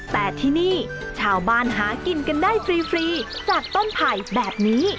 แต่ที่นี่ชาวบ้านหากินกันได้ฟรีจากต้นไผ่แบบนี้